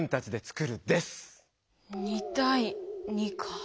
２対２か。